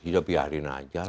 sudah biarin aja lah